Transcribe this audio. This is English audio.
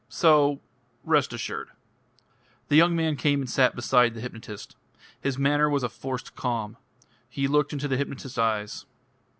So rest assured." The young man came and sat beside the hypnotist. His manner was a forced calm. He looked into the hypnotist's eyes.